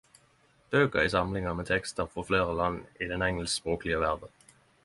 Bøker i samlinga med tekster frå fleire land i den engelskspråklege verda